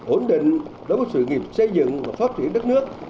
ổn định đối với sự nghiệp xây dựng và phát triển đất nước